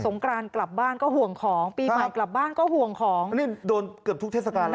กรานกลับบ้านก็ห่วงของปีใหม่กลับบ้านก็ห่วงของนี่โดนเกือบทุกเทศกาลแล้ว